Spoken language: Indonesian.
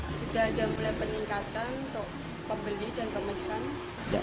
sudah ada mulai peningkatan untuk pembeli dan pemesan